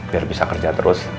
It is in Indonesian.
biar bisa kerja terus